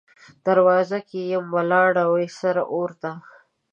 دروازه کې یم ولاړه، وه سره اور ته